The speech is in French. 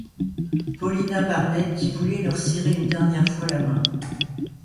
Paulina Barnett, qui voulait leur serrer une dernière fois la main.